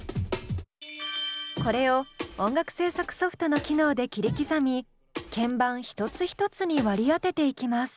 これを音楽制作ソフトの機能で切り刻み鍵盤一つ一つに割り当てていきます。